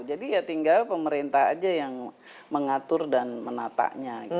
jadi ya tinggal pemerintah aja yang mengatur dan menataknya